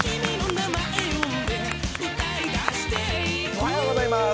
おはようございます。